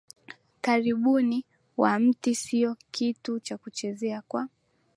karibuni wa mti sio kitu cha kucheza kwa